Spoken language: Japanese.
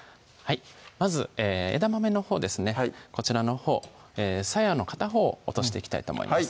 まず枝豆のほうですねこちらのほうさやの片方を落としていきたいと思います